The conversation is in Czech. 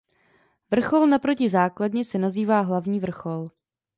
Vrchol naproti základně se nazývá hlavní vrchol.